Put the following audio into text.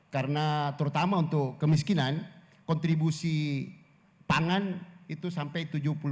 karena terutama untuk kemiskinan kontribusi pangan itu sampai tujuh puluh tiga